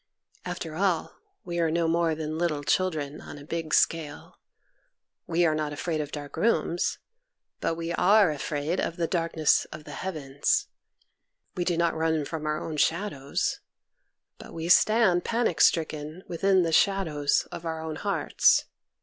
After all, we are no more than little children on a big scale : we are not afraid of dark rooms, but we are afraid of the darkness of the heavens ; we do not run from our own shadows, but we stand panic stricken within the shadows of our own hearts.